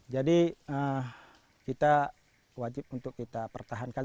jadi kita wajib untuk kita pertahankan